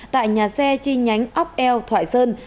tại nhà xe chi nhánh ốc eo thoại sơn